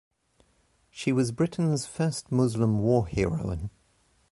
She was Britain's first Muslim war heroine.